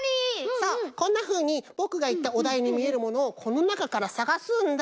そうこんなふうにぼくがいったおだいにみえるものをこのなかからさがすんだ。